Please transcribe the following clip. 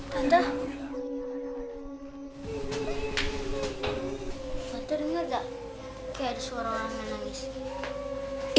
tentu gak ada suara orang yang nangis